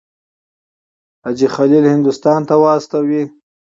حاجي خلیل هندوستان ته واستوي.